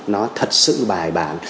nó thật sự bài bản